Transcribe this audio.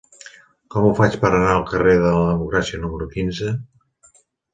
Com ho faig per anar al carrer de la Democràcia número quinze?